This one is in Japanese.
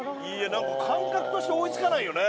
何か感覚として追いつかないよね。